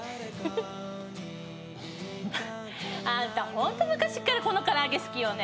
ホント昔っからこの唐揚げ好きよね。